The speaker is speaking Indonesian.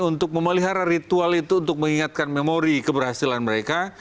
untuk memelihara ritual itu untuk mengingatkan memori keberhasilan mereka